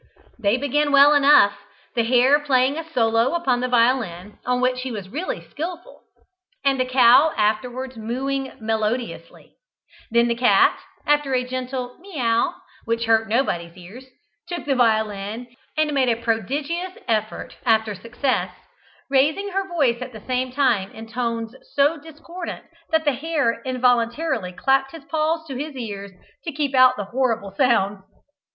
212] They began well enough: the hare playing a solo upon the violin, on which he was really skilful; and the cow afterwards mooing melodiously; then the cat, after a gentle "miauw," which hurt nobody's ears, took the violin, and made a prodigious effort after success, raising her voice at the same time in tones so discordant that the hare involuntarily clapped his paws to his ears to keep out the horrible sounds.